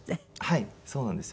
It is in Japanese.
はいそうなんです。